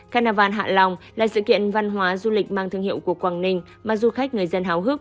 carnival hạ long là sự kiện văn hóa du lịch mang thương hiệu của quảng ninh mà du khách người dân hào hức